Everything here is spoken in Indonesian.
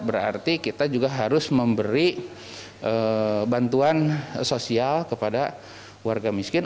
berarti kita juga harus memberi bantuan sosial kepada warga miskin